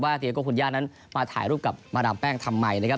เตียโก้คุณย่านั้นมาถ่ายรูปกับมาดามแป้งทำไมนะครับ